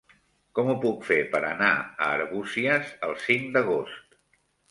Com ho puc fer per anar a Arbúcies el cinc d'agost?